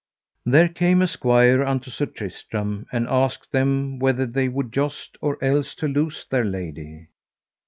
There came a squire unto Sir Tristram, and asked them whether they would joust or else to lose their lady.